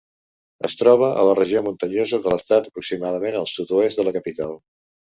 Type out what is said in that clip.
Es troba a la regió muntanyosa de l'estat, aproximadament al sud-oest de la capital.